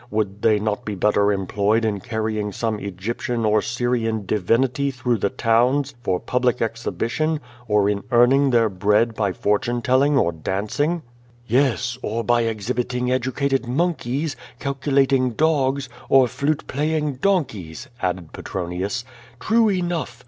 Would they not be better employed in carrying some Egyptian or Syrian divinity through the towns for public exhibition, or in earning their bread by fortune telling or dancing?" "Yes, or by exhibiting educated monkeys, calculating dogs, or flute playing donkeys," added Petronius. "True enoug)i!